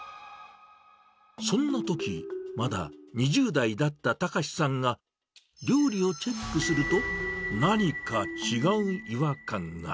そんなとき、まだ２０代だった崇さんが、料理をチェックすると、何か違う違和感が。